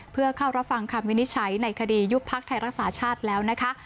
เพื่อเข้ารับฟังคำวินิจฉัยในคดียุบพักไทยรักษาชาติแล้วนะคะ